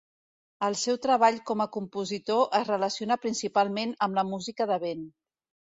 El seu treball com a compositor es relaciona principalment amb la música de vent.